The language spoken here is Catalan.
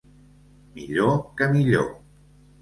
Millor que millor.